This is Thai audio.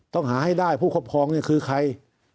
ต้องหาให้ได้ผู้ครอบครองนี่คือใคร